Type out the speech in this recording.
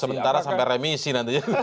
sementara sampai remisi nanti